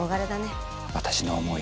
私の思い